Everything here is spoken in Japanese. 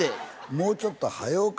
もうちょっと。